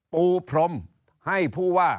ปูพรมให้ผู้ว่า